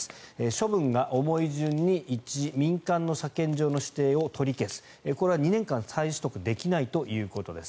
処分が重い順に１、民間の車検場の指定を取り消すこれは２年間、再取得できないということです。